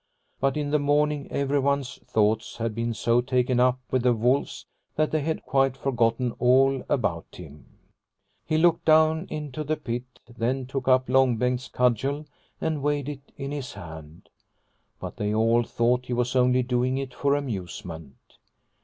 But in the morning everyone's thoughts had been so taken up with the wolves that they had quite forgotten all about him. He looked down into the pit, then took up Long Bengt's cudgel and weighed it in his hand. But they all thought he was only doing it for amusement.